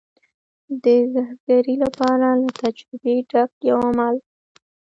د زدهکړې لپاره له تجربو ډک یو عمل و.